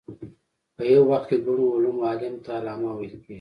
په یو وخت کې د ګڼو علومو عالم ته علامه ویل کېږي.